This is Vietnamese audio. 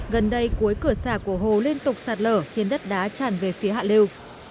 gần đây cuối cửa xà của hồ liên tục sạt lở khiến đất đá tràn về phía hạ lưu